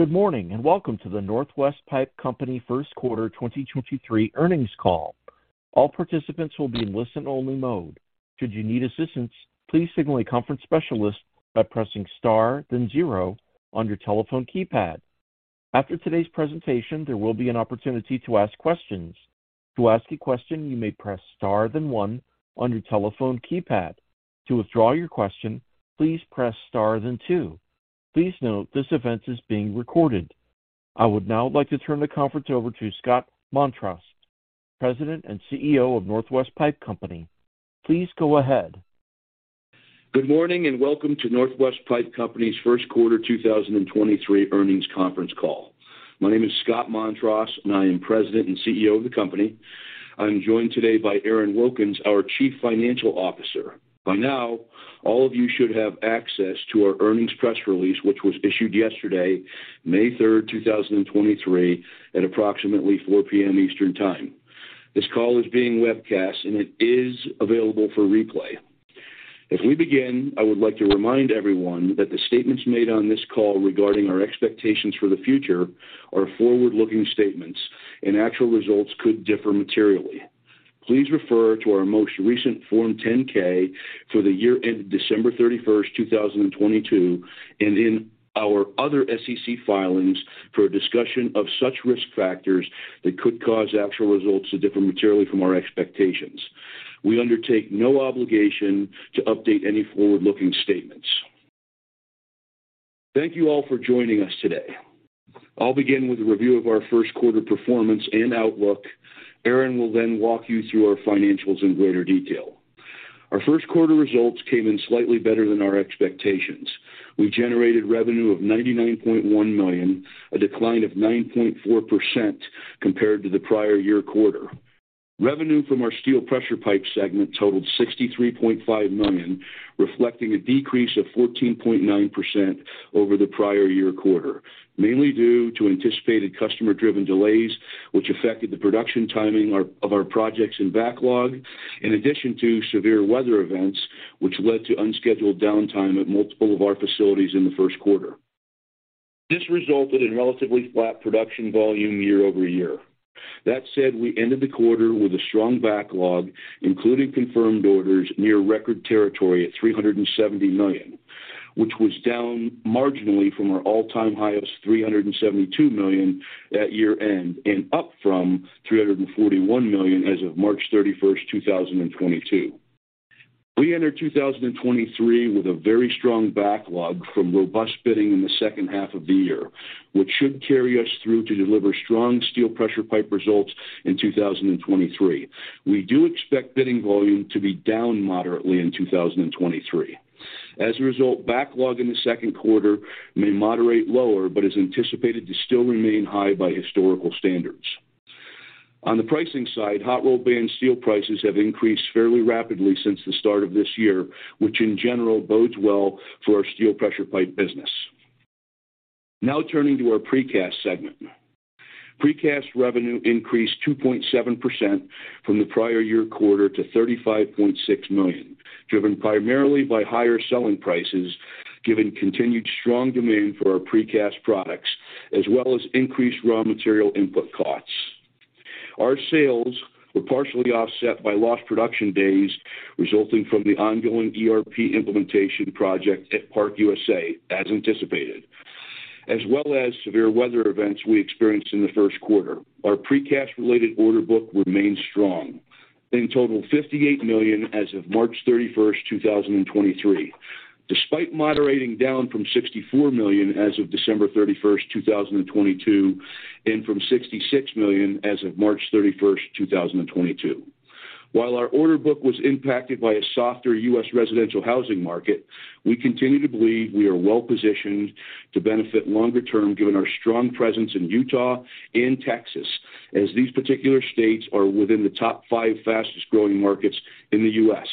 Good morning, and Welcome to the Northwest Pipe Company First Quarter 2023 Earnings Call. All participants will be in listen only mode. Should you need assistance, please signal a conference specialist by pressing star, then zero on your telephone keypad. After today's presentation, there will be an opportunity to ask questions. To ask a question, you may press star then one on your telephone keypad. To withdraw your question, please press star then two. Please note this event is being recorded. I would now like to turn the conference over to Scott Montross, President and CEO of Northwest Pipe Company. Please go ahead. Good morning. Welcome to Northwest Pipe Company's First Quarter 2023 Earnings Conference Call. My name is Scott Montross. I am President and CEO of the company. I'm joined today by Aaron Wilkins, our Chief Financial Officer. By now, all of you should have access to our earnings press release, which was issued yesterday, May 3rd, 2023 at approximately 4:00 P.M. Eastern Time. This call is being webcast. It is available for replay. As we begin, I would like to remind everyone that the statements made on this call regarding our expectations for the future are forward-looking statements and actual results could differ materially. Please refer to our most recent Form 10-K for the year ended December 31st, 2022, and in our other SEC filings for a discussion of such risk factors that could cause actual results to differ materially from our expectations. We undertake no obligation to update any forward-looking statements. Thank you all for joining us today. I'll begin with a review of our 1st quarter performance and outlook. Aaron will walk you through our financials in greater detail. Our 1st quarter results came in slightly better than our expectations. We generated revenue of $99.1 million, a decline of 9.4% compared to the prior year quarter. Revenue from our steel pressure pipe segment totaled $63.5 million, reflecting a decrease of 14.9% over the prior year quarter, mainly due to anticipated customer-driven delays, which affected the production timing of our projects in backlog, in addition to severe weather events, which led to unscheduled downtime at multiple of our facilities in the 1st quarter. This resulted in relatively flat production volume year-over-year. That said, we ended the quarter with a strong backlog, including confirmed orders near record territory at $370 million, which was down marginally from our all-time high of $372 million at year-end and up from $341 million as of March 31st, 2022. We entered 2023 with a very strong backlog from robust bidding in the 2nd half of the year, which should carry us through to deliver strong steel pressure pipe results in 2023. We do expect bidding volume to be down moderately in 2023. Backlog in the 2nd quarter may moderate lower, but is anticipated to still remain high by historical standards. On the pricing side, hot-rolled band steel prices have increased fairly rapidly since the start of this year, which in general bodes well for our steel pressure pipe business. Turning to our precast segment. Precast revenue increased 2.7% from the prior year quarter to $35.6 million, driven primarily by higher selling prices, given continued strong demand for our precast products, as well as increased raw material input costs. Our sales were partially offset by lost production days resulting from the ongoing ERP implementation project at ParkUSA as anticipated, as well as severe weather events we experienced in the 1st quarter. Our precast related order book remains strong, in total $58 million as of March 31st, 2023, despite moderating down from $64 million as of December 31st, 2022, and from $66 million as of March 31st, 2022. While our order book was impacted by a softer U.S. residential housing market, we continue to believe we are well-positioned to benefit longer term given our strong presence in Utah and Texas, as these particular states are within the top five fastest growing markets in the U.S.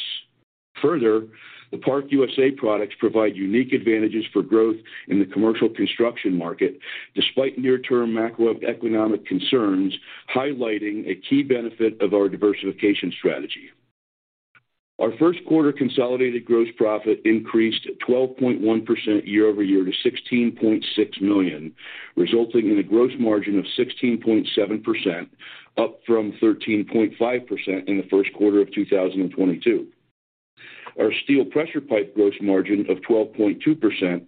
Further, the ParkUSA products provide unique advantages for growth in the commercial construction market despite near-term macroeconomic concerns, highlighting a key benefit of our diversification strategy. Our 1st quarter consolidated gross profit increased at 12.1% year-over-year to $16.6 million, resulting in a gross margin of 16.7%, up from 13.5% in the 1st quarter of 2022. Our steel pressure pipe gross margin of 12.2%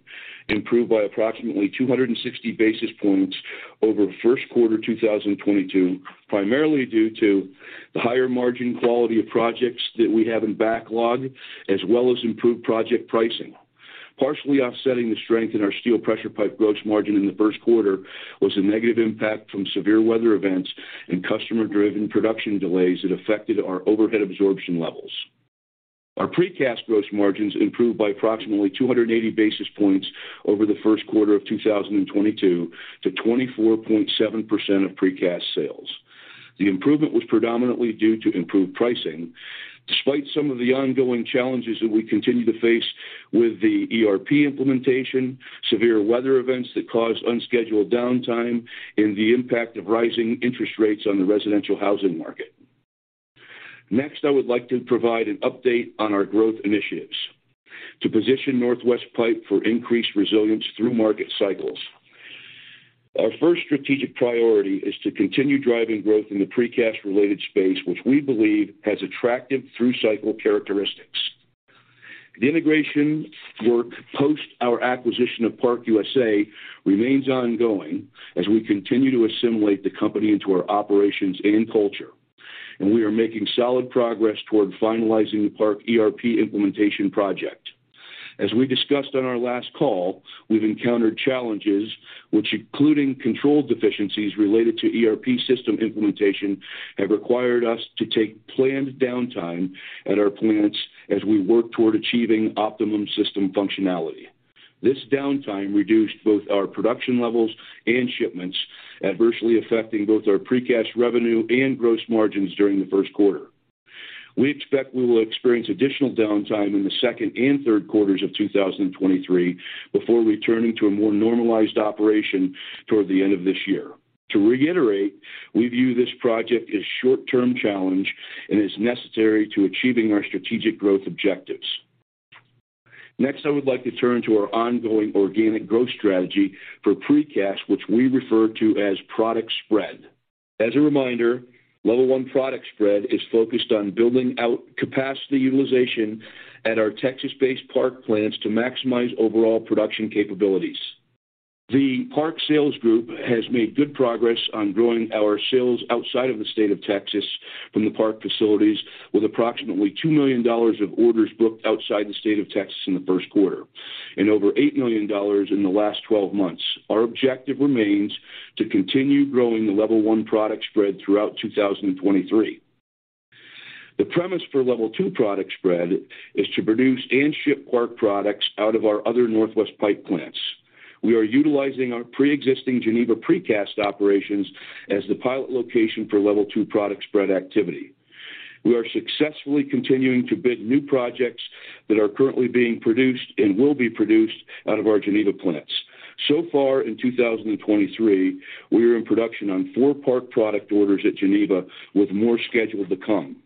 improved by approximately 260 basis points over 1st quarter 2022, primarily due to the higher margin quality of projects that we have in backlog, as well as improved project pricing. Partially offsetting the strength in our steel pressure pipe gross margin in the 1st quarter was a negative impact from severe weather events and customer-driven production delays that affected our overhead absorption levels. Our precast gross margins improved by approximately 280 basis points over the 1st quarter of 2022 to 24.7% of precast sales. The improvement was predominantly due to improved pricing despite some of the ongoing challenges that we continue to face with the ERP implementation, severe weather events that cause unscheduled downtime, and the impact of rising interest rates on the residential housing market. I would like to provide an update on our growth initiatives to position Northwest Pipe for increased resilience through market cycles. Our 1st strategic priority is to continue driving growth in the precast related space, which we believe has attractive through cycle characteristics. The integration work post our acquisition of ParkUSA remains ongoing as we continue to assimilate the company into our operations and culture, and we are making solid progress toward finalizing the Park ERP implementation project. As we discussed on our last call, we've encountered challenges which including control deficiencies related to ERP system implementation, have required us to take planned downtime at our plants as we work toward achieving optimum system functionality. This downtime reduced both our production levels and shipments, adversely affecting both our precast revenue and gross margins during the 1st quarter. We expect we will experience additional downtime in the 2nd and 3rd quarters of 2023 before returning to a more normalized operation toward the end of this year. To reiterate, we view this project as short-term challenge and is necessary to achieving our strategic growth objectives. Next, I would like to turn to our ongoing organic growth strategy for precast, which we refer to as Product Spread. As a reminder, level one product spread is focused on building out capacity utilization at our Texas-based Park plants to maximize overall production capabilities. The Park sales group has made good progress on growing our sales outside of the state of Texas from the Park facilities with approximately $2 million of orders booked outside the state of Texas in the 1st quarter and over $8 million in the last 12 months. Our objective remains to continue growing the level one product spread throughout 2023. The premise for level two product spread is to produce and ship Park products out of our other Northwest Pipe plants. We are utilizing our preexisting Geneva precast operations as the pilot location for level two product spread activity. We are successfully continuing to bid new projects that are currently being produced and will be produced out of our Geneva plants. So far in 2023, we are in production on four Park product orders at Geneva with more scheduled to come.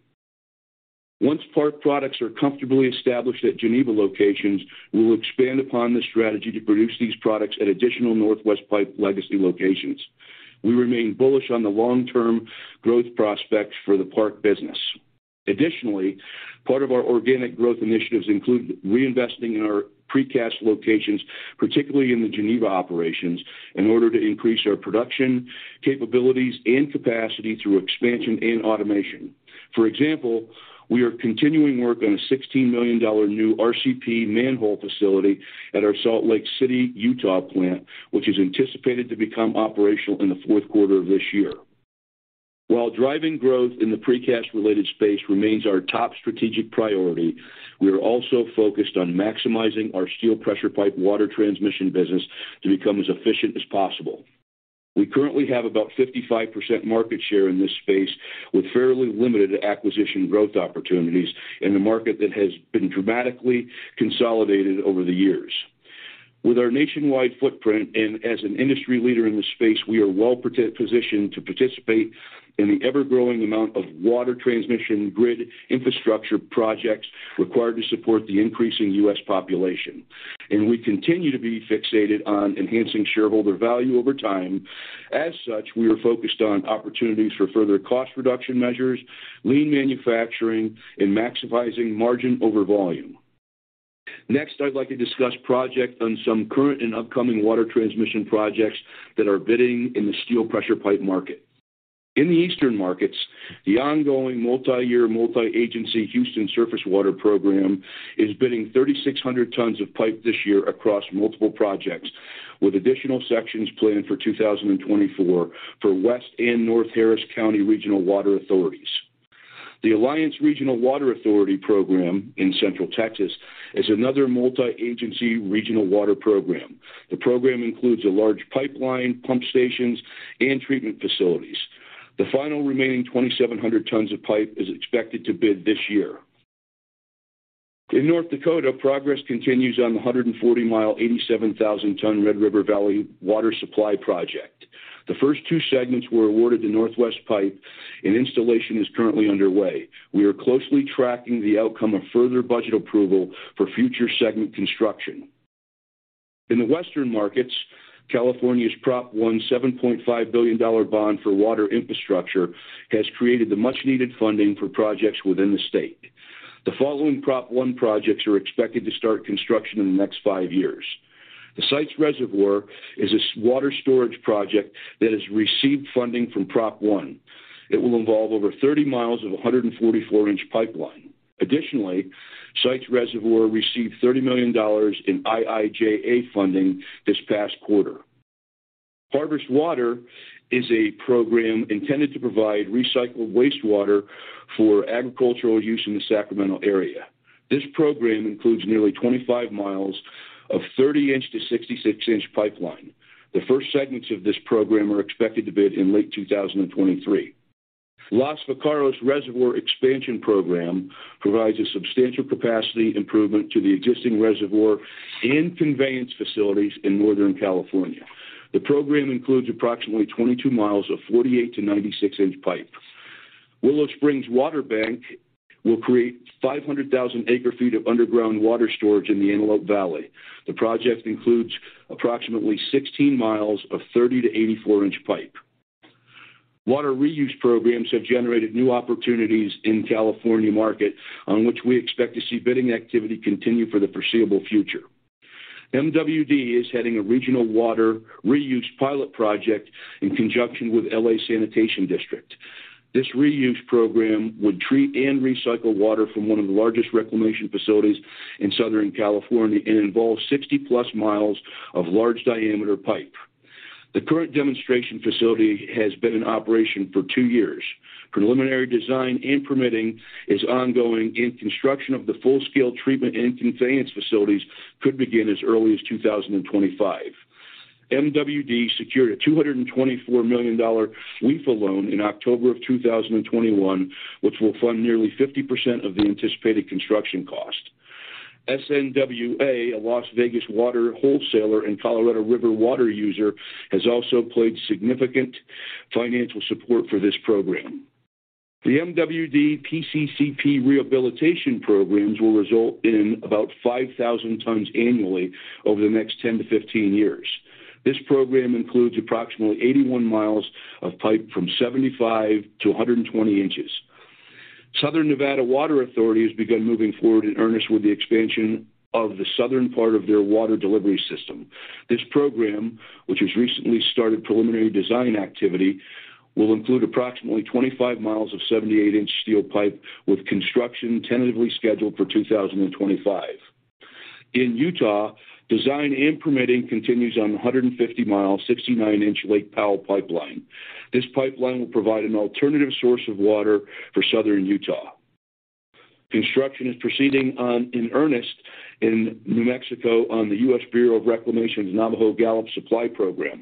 Once Park products are comfortably established at Geneva locations, we will expand upon this strategy to produce these products at additional Northwest Pipe legacy locations. We remain bullish on the long-term growth prospects for the Park business. Additionally, part of our organic growth initiatives include reinvesting in our precast locations, particularly in the Geneva operations, in order to increase our production capabilities and capacity through expansion and automation. For example, we are continuing work on a $16 million new RCP manhole facility at our Salt Lake City, Utah plant, which is anticipated to become operational in the 4th quarter of this year. While driving growth in the precast related space remains our top strategic priority, we are also focused on maximizing our steel pressure pipe water transmission business to become as efficient as possible. We currently have about 55% market share in this space, with fairly limited acquisition growth opportunities in the market that has been dramatically consolidated over the years. With our nationwide footprint and as an industry leader in the space, we are well positioned to participate in the ever-growing amount of water transmission grid infrastructure projects required to support the increasing U.S. population. We continue to be fixated on enhancing shareholder value over time. As such, we are focused on opportunities for further cost reduction measures, lean manufacturing and maximizing margin over volume. Next, I'd like to discuss project on some current and upcoming water transmission projects that are bidding in the steel pressure pipe market. In the eastern markets, the ongoing multi-year, multi-agency Houston Surface Water Program is bidding 3,600 tn of pipe this year across multiple projects, with additional sections planned for 2024 for West and North Harris County Regional Water Authorities. The Alliance Regional Water Authority program in central Texas is another multi-agency regional water program. The program includes a large pipeline, pump stations and treatment facilities. The final remaining 2,700 tn of pipe is expected to bid this year. In North Dakota, progress continues on the 140 mile, 87,000 ton Red River Valley Water Supply Project. The 1st two segments were awarded to Northwest Pipe and installation is currently underway. We are closely tracking the outcome of further budget approval for future segment construction. In the Western markets, California's Prop One $7.5 billion bond for water infrastructure has created the much needed funding for projects within the state. The following Prop One projects are expected to start construction in the next 5 years. The Sites Reservoir is a water storage project that has received funding from Prop One. It will involve over 30 mi of a 144-in pipeline. Additionally, Sites Reservoir received $30 million in IIJA funding this past quarter. Harvest Water is a program intended to provide recycled wastewater for agricultural use in the Sacramento area. This program includes nearly 25 mi of 30-in to 66-in pipeline. The 1st segments of this program are expected to bid in late 2023. Los Vaqueros Reservoir Expansion Project provides a substantial capacity improvement to the existing reservoir and conveyance facilities in Northern California. The program includes approximately 22 mi of 48-in-96-in pipe. Willow Springs Water Bank will create 500,000 ac ft of underground water storage in the Antelope Valley. The project includes approximately 16 mi of 30-in-84-in pipe. Water reuse programs have generated new opportunities in California market, on which we expect to see bidding activity continue for the foreseeable future. MWD is heading a regional water reuse pilot project in conjunction with LA Sanitation & Environment. This reuse program would treat and recycle water from one of the largest reclamation facilities in Southern California and involves 60+ mi of large diameter pipe. The current demonstration facility has been in operation for 2 years. Preliminary design and permitting is ongoing, construction of the full-scale treatment and conveyance facilities could begin as early as 2025. MWD secured a $224 million WIFIA loan in October of 2021, which will fund nearly 50% of the anticipated construction cost. SNWA, a Las Vegas water wholesaler and Colorado River water user, has also played significant financial support for this program. The MWD PCCP rehabilitation programs will result in about 5,000 tns annually over the next 10-15 years. This program includes approximately 81 mi of pipe from 75-120 ins. Southern Nevada Water Authority has begun moving forward in earnest with the expansion of the southern part of their water delivery system. This program, which has recently started preliminary design activity, will include approximately 25 mi of 78-in steel pipe, with construction tentatively scheduled for 2025. In Utah, design and permitting continues on a 150 mile, 69 in Lake Powell Pipeline. This pipeline will provide an alternative source of water for Southern Utah. Construction is proceeding in earnest in New Mexico on the U.S. Bureau of Reclamation Navajo-Gallup Water Supply Project.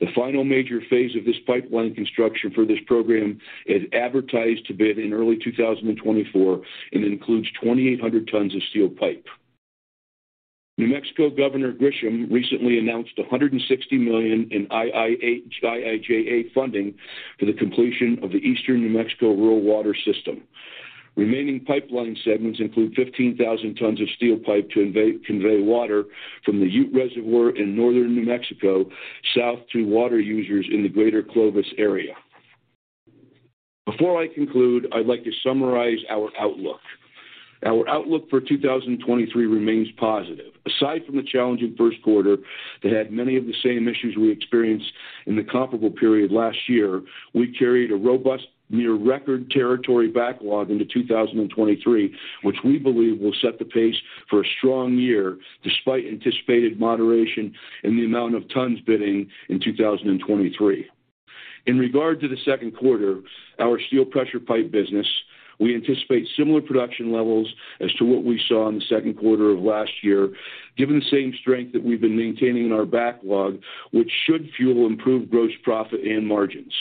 The final major phase of this pipeline construction for this program is advertised to bid in early 2024 and includes 2,800 tn of steel pipe. New Mexico Governor Grisham recently announced $160 million in IIJA funding for the completion of the Eastern New Mexico Rural Water System. Remaining pipeline segments include 15,000 tn of steel pipe to convey water from the Ute Reservoir in northern New Mexico south to water users in the greater Clovis area. Before I conclude, I'd like to summarize our outlook. Our outlook for 2023 remains positive. Aside from the challenging 1st quarter that had many of the same issues we experienced in the comparable period last year, we carried a robust, near record territory backlog into 2023, which we believe will set the pace for a strong year despite anticipated moderation in the amount of tn bidding in 2023. In regard to the 2nd quarter, our steel pressure pipe business, we anticipate similar production levels as to what we saw in the 2nd quarter of last year, given the same strength that we've been maintaining in our backlog, which should fuel improved gross profit and margins.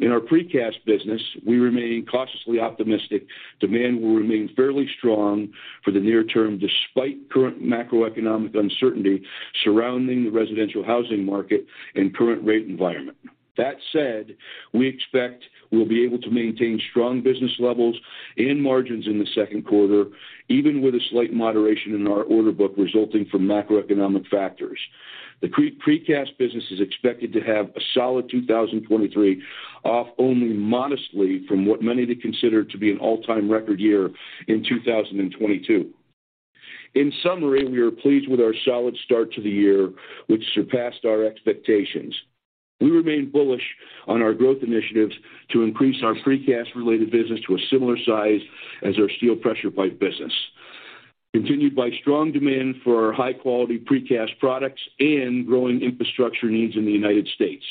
In our precast business, we remain cautiously optimistic. Demand will remain fairly strong for the near term despite current macroeconomic uncertainty surrounding the residential housing market and current rate environment. That said, we expect we'll be able to maintain strong business levels and margins in the 2nd quarter, even with a slight moderation in our order book resulting from macroeconomic factors. The precast business is expected to have a solid 2023, off only modestly from what many would consider to be an all-time record year in 2022. In summary, we are pleased with our solid start to the year, which surpassed our expectations. We remain bullish on our growth initiatives to increase our precast-related business to a similar size as our steel pressure pipe business. Continued by strong demand for our high-quality precast products and growing infrastructure needs in the United States.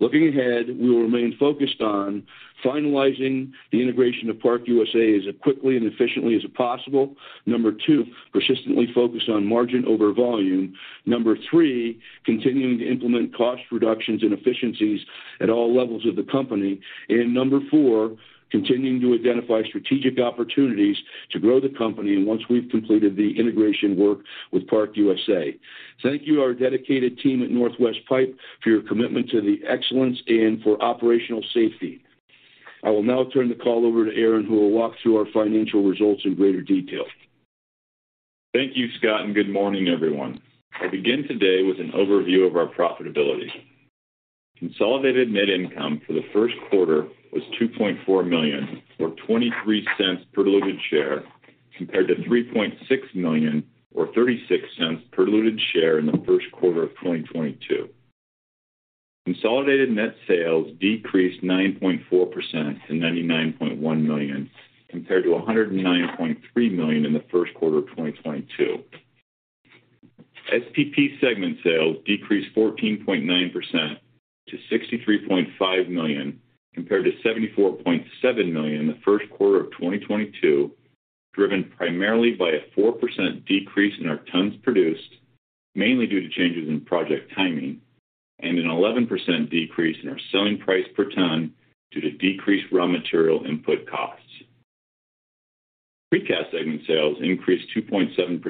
Looking ahead, we will remain focused on finalizing the integration of ParkUSA as quickly and efficiently as possible. Number 2, persistently focused on margin over volume. Number 3, continuing to implement cost reductions and efficiencies at all levels of the company. Number 4, continuing to identify strategic opportunities to grow the company once we've completed the integration work with ParkUSA. Thank you to our dedicated team at Northwest Pipe for your commitment to the excellence and for operational safety. I will now turn the call over to Aaron, who will walk through our financial results in greater detail. Thank you, Scott. Good morning, everyone. I begin today with an overview of our profitability. Consolidated net income for the 1st quarter was $2.4 million or $0.23 per diluted share, compared to $3.6 million or $0.36 per diluted share in the 1st quarter of 2022. Consolidated net sales decreased 9.4% to $99.1 million, compared to $109.3 million in the 1st quarter of 2022. SPP segment sales decreased 14.9% to $63.5 million, compared to $74.7 million the 1st quarter of 2022, driven primarily by a 4% decrease in our tn produced, mainly due to changes in project timing, and an 11% decrease in our selling price per ton due to decreased raw material input costs. Precast segment sales increased 2.7%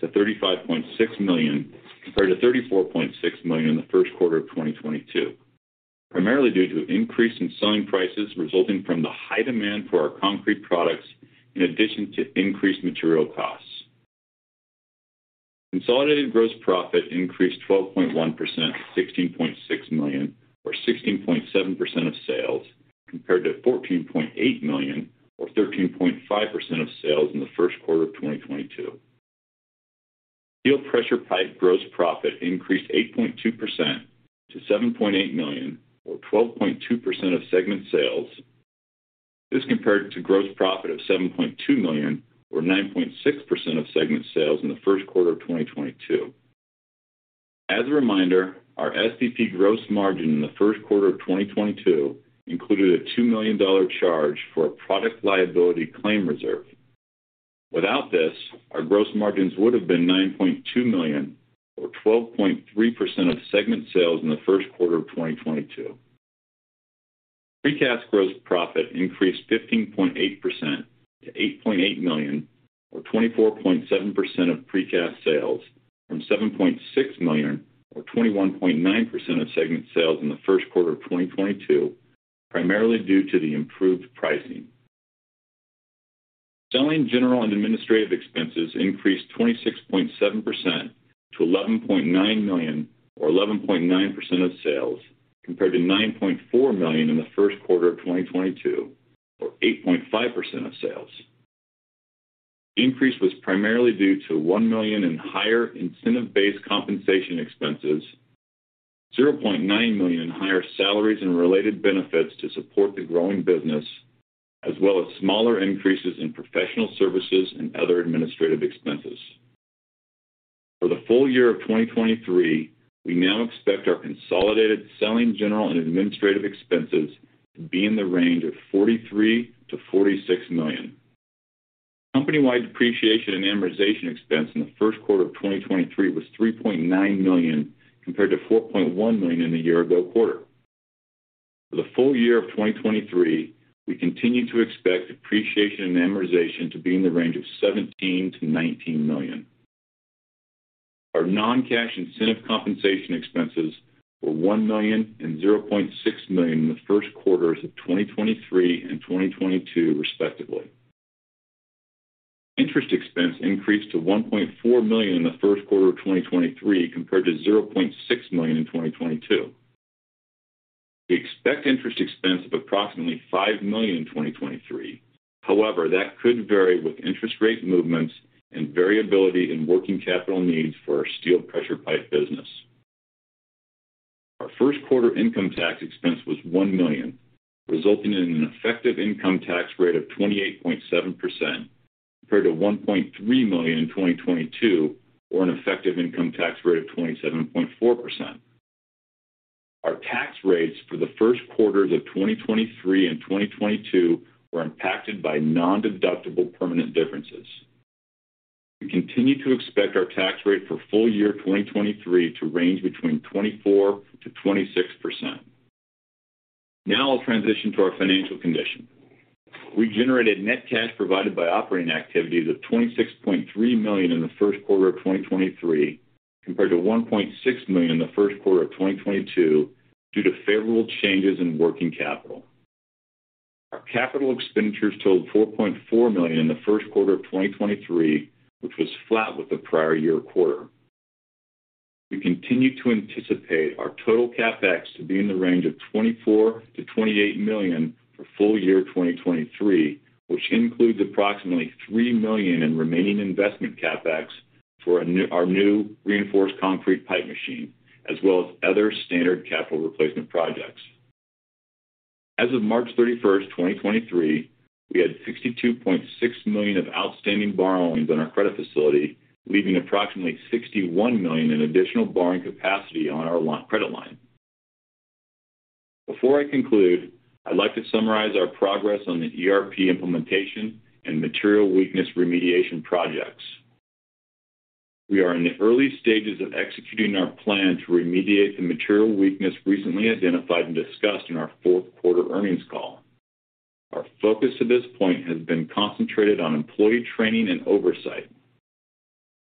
to $35.6 million compared to $34.6 million in the 1st quarter of 2022, primarily due to an increase in selling prices resulting from the high demand for our concrete products in addition to increased material costs. Consolidated gross profit increased 12.1% to $16.6 million or 16.7% of sales compared to $14.8 million or 13.5% of sales in the 1st quarter of 2022. Steel pressure pipe gross profit increased 8.2% to $7.8 million or 12.2% of segment sales. This compared to gross profit of $7.2 million or 9.6% of segment sales in the 1st quarter of 2022. As a reminder, our SPP gross margin in the 1st quarter of 2022 included a $2 million charge for a product liability claim reserve. Without this, our gross margins would have been $9.2 million or 12.3% of segment sales in the 1st quarter of 2022. Precast gross profit increased 15.8% to $8.8 million or 24.7% of precast sales from $7.6 million or 21.9% of segment sales in the 1st quarter of 2022, primarily due to the improved pricing. Selling, general and administrative expenses increased 26.7% to $11.9 million or 11.9% of sales compared to $9.4 million in the 1st quarter of 2022 or 8.5% of sales. The increase was primarily due to $1 million in higher incentive-based compensation expenses, $0.9 million in higher salaries and related benefits to support the growing business, as well as smaller increases in professional services and other administrative expenses. For the full year of 2023, we now expect our consolidated selling, general and administrative expenses to be in the range of $43 million-$46 million. Company-wide depreciation and amortization expense in the 1st quarter of 2023 was $3.9 million compared to $4.1 million in the year ago quarter. For the full year of 2023, we continue to expect depreciation and amortization to be in the range of $17 million-$19 million. Our non-cash incentive compensation expenses were $1 million and $0.6 million in the 1st quarters of 2023 and 2022 respectively. Interest expense increased to $1.4 million in the 1st quarter of 2023 compared to $0.6 million in 2022. We expect interest expense of approximately $5 million in 2023. That could vary with interest rate movements and variability in working capital needs for our steel pressure pipe business. Our 1st quarter income tax expense was $1 million, resulting in an effective income tax rate of 28.7% compared to $1.3 million in 2022 or an effective income tax rate of 27.4%. Our tax rates for the 1st quarters of 2023 and 2022 were impacted by nondeductible permanent differences. We continue to expect our tax rate for full year 2023 to range between 24%-26%. I'll transition to our financial condition. We generated net cash provided by operating activities of $26.3 million in the 1st quarter of 2023 compared to $1.6 million in the 1st quarter of 2022 due to favorable changes in working capital. Our capital expenditures totaled $4.4 million in the 1st quarter of 2023, which was flat with the prior year quarter. We continue to anticipate our total CapEx to be in the range of $24 million-$28 million for full year 2023, which includes approximately $3 million in remaining investment CapEx for our new reinforced concrete pipe machine, as well as other standard capital replacement projects. As of March 31st, 2023, we had $62.6 million of outstanding borrowings on our credit facility, leaving approximately $61 million in additional borrowing capacity on our credit line. Before I conclude, I'd like to summarize our progress on the ERP implementation and material weakness remediation projects. We are in the early stages of executing our plan to remediate the material weakness recently identified and discussed in our 4th quarter earnings call. Our focus to this point has been concentrated on employee training and oversight.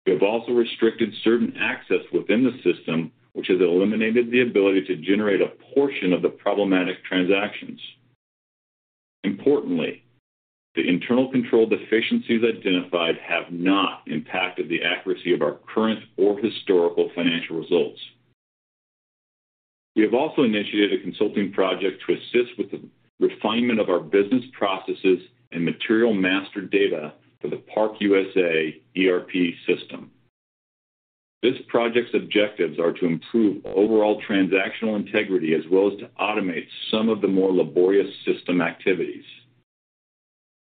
We have also restricted certain access within the system, which has eliminated the ability to generate a portion of the problematic transactions. Importantly, the internal control deficiencies identified have not impacted the accuracy of our current or historical financial results. We have also initiated a consulting project to assist with the refinement of our business processes and Material Master Data for the ParkUSA ERP system. This project's objectives are to improve overall transactional integrity as well as to automate some of the more laborious system activities.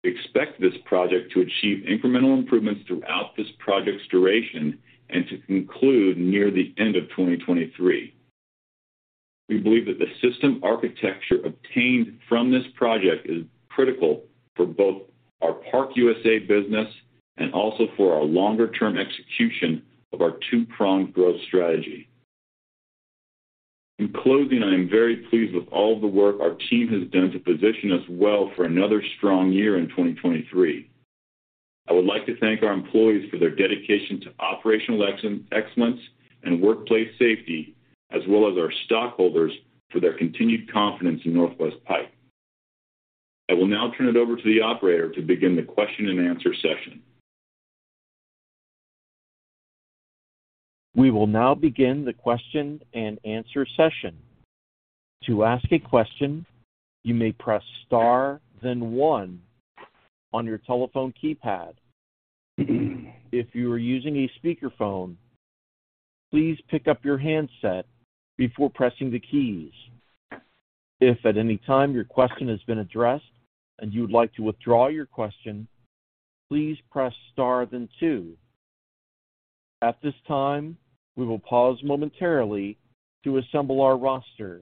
We expect this project to achieve incremental improvements throughout this project's duration and to conclude near the end of 2023. We believe that the system architecture obtained from this project is critical for both our ParkUSA business and also for our longer-term execution of our two-pronged growth strategy. In closing, I am very pleased with all of the work our team has done to position us well for another strong year in 2023. I would like to thank our employees for their dedication to operational excellence and workplace safety, as well as our stockholders for their continued confidence in Northwest Pipe. I will now turn it over to the operator to begin the question and answer session. We will now begin the question-and-answer session. To ask a question, you may press Star then one on your telephone keypad. If you are using a speakerphone, please pick up your handset before pressing the keys. If at any time your question has been addressed and you would like to withdraw your question, please press Star then two. At this time, we will pause momentarily to assemble our roster.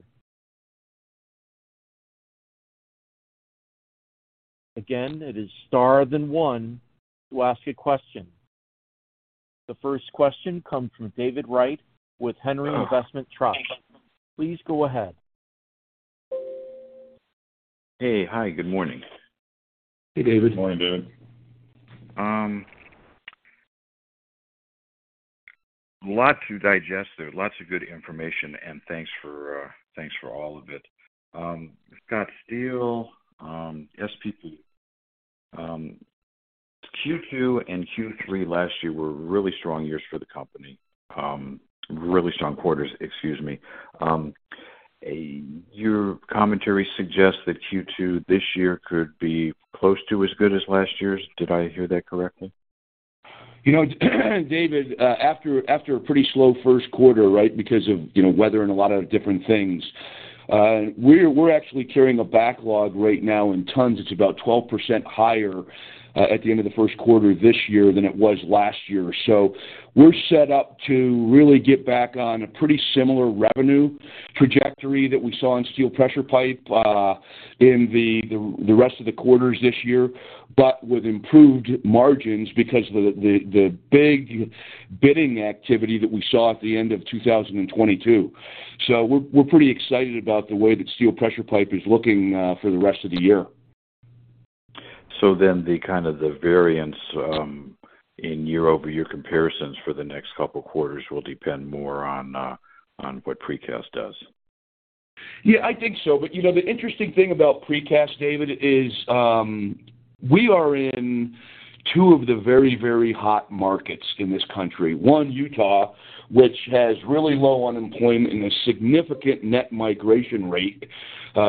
Again, it is Star then one to ask a question. The 1st question comes from David Wright with Henry Investment Trust. Please go ahead. Hey. Hi, good morning. Hey, David. Good morning, David. Lot to digest there. Lots of good information, thanks for all of it. Scott, SPP. Q2 and Q3 last year were really strong years for the company. Really strong quarters, excuse me. Your commentary suggests that Q2 this year could be close to as good as last year's. Did I hear that correctly? You know, David, after a pretty slow 1st quarter, right? Because of, you know, weather and a lot of different things. We're actually carrying a backlog right now in tn. It's about 12% higher at the end of the 1st quarter this year than it was last year. We're set up to really get back on a pretty similar revenue trajectory that we saw in steel pressure pipe in the rest of the quarters this year, but with improved margins because the big bidding activity that we saw at the end of 2022. We're pretty excited about the way that steel pressure pipe is looking for the rest of the year. The kind of the variance, in year-over-year comparisons for the next couple quarters will depend more on what precast does. I think so. You know, the interesting thing about precast, David, is we are in two of the very, very hot markets in this country. One, Utah, which has really low unemployment and a significant net migration rate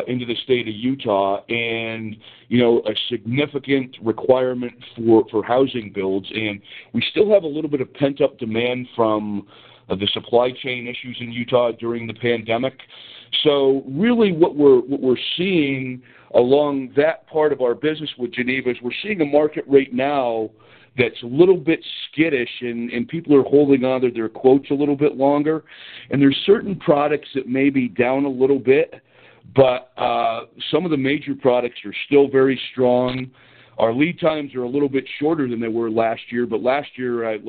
into the state of Utah, and, you know, a significant requirement for housing builds. We still have a little bit of pent-up demand from the supply chain issues in Utah during the pandemic. Really what we're seeing along that part of our business with Geneva is we're seeing a market right now that's a little bit skittish and people are holding onto their quotes a little bit longer. There's certain products that may be down a little bit, but some of the major products are still very strong. Our lead times are a little bit shorter than they were last year, but last year,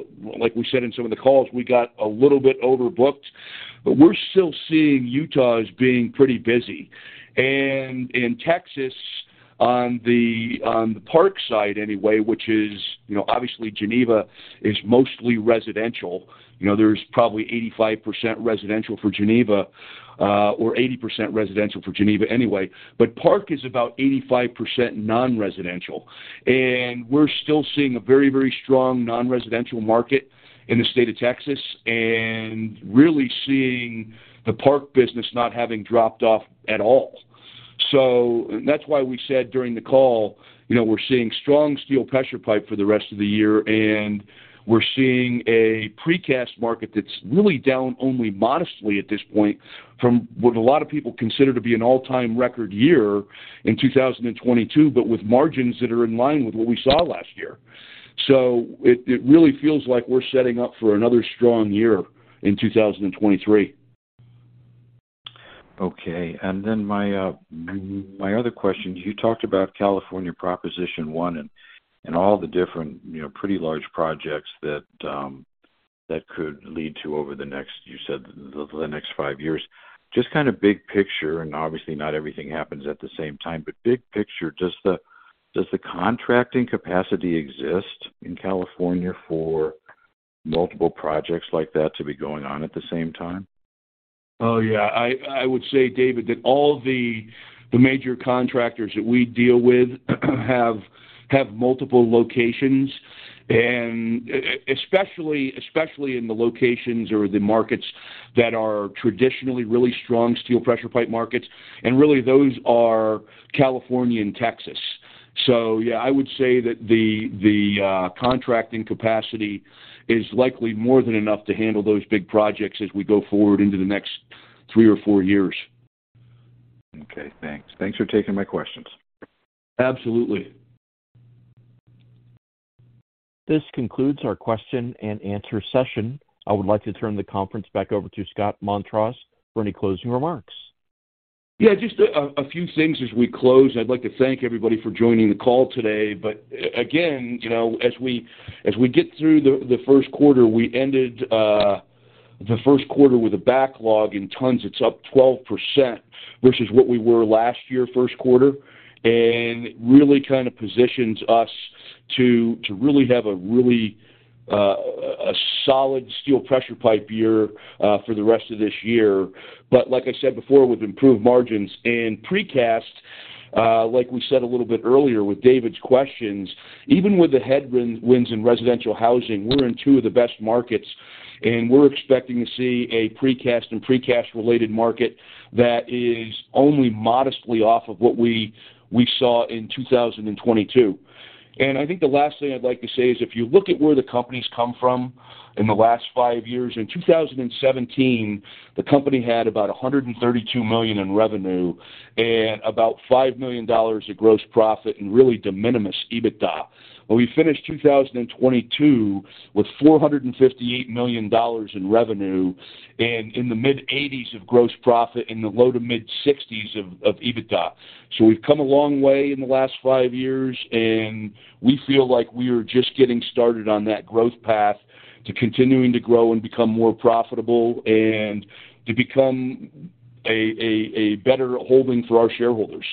like we said in some of the calls, we got a little bit overbooked. We're still seeing Utah as being pretty busy. In Texas, on the Park side anyway. You know, obviously, Geneva is mostly residential. You know, there's probably 85% residential for Geneva, or 80% residential for Geneva anyway. Park is about 85% non-residential. We're still seeing a very, very strong non-residential market in the state of Texas and really seeing the Park business not having dropped off at all. That's why we said during the call, you know, we're seeing strong steel pressure pipe for the rest of the year, and we're seeing a precast market that's really down only modestly at this point from what a lot of people consider to be an all-time record year in 2022, but with margins that are in line with what we saw last year. It, it really feels like we're setting up for another strong year in 2023. Okay. My other question, you talked about California Proposition 1 and all the different, you know, pretty large projects that could lead to over the next, you said, the next 5 years. Just kind of big picture, obviously not everything happens at the same time, but big picture, does the contracting capacity exist in California for multiple projects like that to be going on at the same time? Oh, yeah. I would say, David, that all the major contractors that we deal with have multiple locations, especially in the locations or the markets that are traditionally really strong steel pressure pipe markets, and really those are California and Texas. Yeah, I would say that the contracting capacity is likely more than enough to handle those big projects as we go forward into the next three or four years. Okay. Thanks. Thanks for taking my questions. Absolutely. This concludes our question and answer session. I would like to turn the conference back over to Scott Montross for any closing remarks. Just a few things as we close. I'd like to thank everybody for joining the call today. Again, you know, as we get through the 1st quarter, we ended the 1st quarter with a backlog. In tons, it's up 12% versus what we were last year 1st quarter. It really kind of positions us to really have a really solid steel pressure pipe year for the rest of this year. Like I said before, with improved margins. Precast, like we said a little bit earlier with David's questions, even with the headwinds in residential housing, we're in two of the best markets, and we're expecting to see a precast and precast-related market that is only modestly off of what we saw in 2022. I think the last thing I'd like to say is, if you look at where the company's come from in the last five years, in 2017, the company had about $132 million in revenue and about $5 million of gross profit and really de minimis EBITDA. Well, we finished 2022 with $458 million in revenue and in the mid-80s of gross profit and the low to mid-60s of EBITDA. We've come a long way in the last five years, and we feel like we are just getting started on that growth path to continuing to grow and become more profitable and to become a better holding for our shareholders.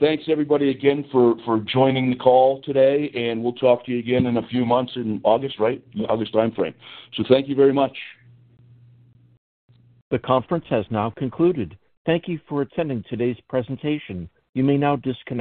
Thanks, everybody, again, for joining the call today, and we'll talk to you again in a few months in August, right? August timeframe. Thank you very much. The conference has now concluded. Thank you for attending today's presentation. You may now disconnect.